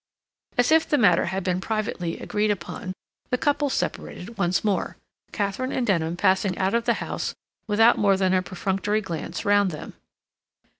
As if the matter had been privately agreed upon, the couples separated once more, Katharine and Denham passing out of the house without more than a perfunctory glance round them.